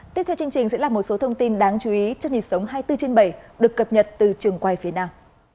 tiếp theo chương trình sẽ là một số thông tin đáng chú ý trong nhịp sống hai mươi bốn trên bảy được cập nhật từ trường quay phía nam